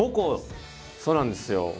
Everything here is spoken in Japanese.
そうなんですよ。